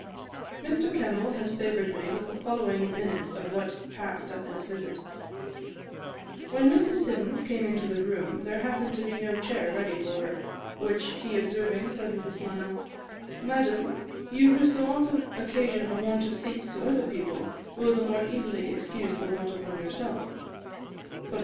Mr. Kemble has favoured me with the following minute of what passed at this visit: 'When Mrs. Siddons came into the room, there happened to be no chair ready for her, which he observing, said with a smile, "Madam, you who so often occasion a want of seats to other people, will the more easily excuse the want of one yourself."